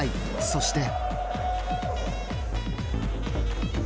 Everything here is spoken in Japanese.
そして。